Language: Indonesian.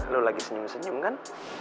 lo lagi senyum senyum kan